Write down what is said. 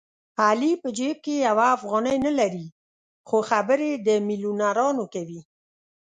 علي په جېب کې یوه افغانۍ نه لري خو خبرې د مېلیونرانو کوي.